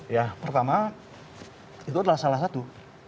ya pertama itu adalah salah satu